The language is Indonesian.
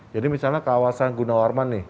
jadi misalnya kawasan gunawarman nih